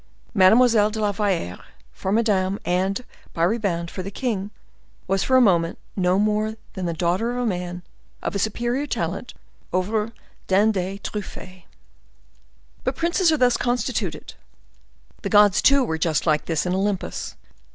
Mademoiselle de la Valliere, for Madame and, by rebound, for the king, was, for a moment, no more than the daughter of a man of a superior talent over dindes truffees. But princes are thus constituted. The gods, too, were just like this in Olympus.